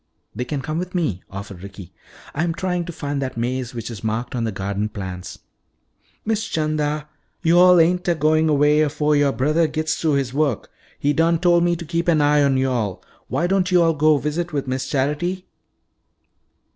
"They can come with me," offered Ricky. "I'm trying to find that maze which is marked on the garden plans." "Miss 'Chanda, yo'all ain't a'goin' 'way 'afo' yoah brothah gits through his wo'k. He done tol' me to keep an eye on yo'all. Why don't yo'all go visit wi' Miss Charity?"